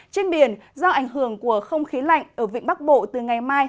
trên biển do ảnh hưởng của không khí lạnh ở vịnh bắc bộ từ ngày mai